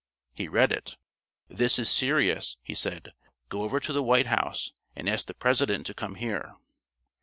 He read it. "This is serious," he said. "Go over to the White House and ask the President to come here."